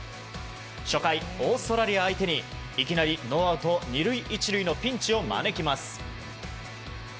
初回、オーストラリア相手にいきなりノーアウト２塁１塁のピンチを招きます。